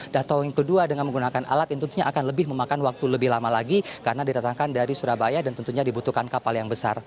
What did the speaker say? datang kedua dengan menggunakan alat yang tentunya akan lebih memakan waktu lebih lama lagi karena didatangkan dari surabaya dan tentunya dibutuhkan kapal yang besar